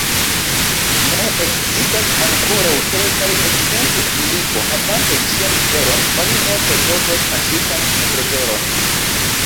Ne, ekzistas ankoraŭ kelkaj, ekzemple, filiko: havante ĝian floron, oni nepre trovos kaŝitan trezoron.